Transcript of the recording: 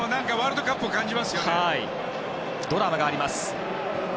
ドラマがあります。